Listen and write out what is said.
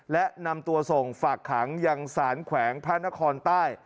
และนำตัวส่งฝากขังยังสารแขวงพระนครใต้